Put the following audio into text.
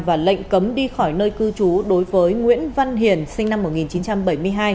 và lệnh cấm đi khỏi nơi cư trú đối với nguyễn văn hiền sinh năm một nghìn chín trăm bảy mươi hai